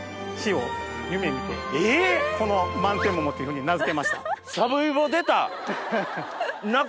桃っていうふうに名付けました。